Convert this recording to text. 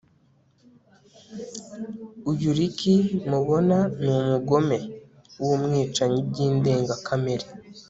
Uyu Ricky mubona ni umugome wumwicanyi byindengakamere